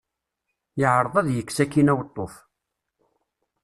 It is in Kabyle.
Yeɛreḍ ad yekkes akkin aweṭṭuf.